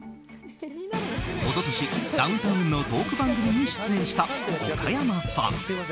一昨年、ダウンタウンのトーク番組に出演した岡山さん。